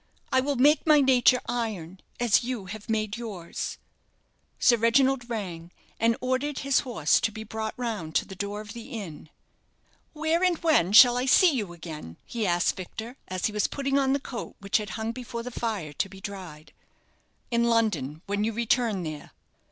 I will make my nature iron, as you have made yours." Sir Reginald rang, and ordered his horse to be brought round to the door of the inn. "Where and when shall I see you again?" he asked Victor, as he was putting on the coat which had hung before the fire to be dried. "In London, when you return there."